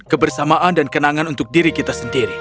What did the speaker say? kebersamaan dan kenangan untuk diri kita sendiri